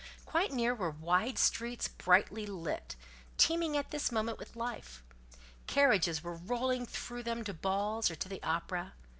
Quite near were wide streets brightly lit, teeming at this moment with life: carriages were rolling through them to balls or to the opera.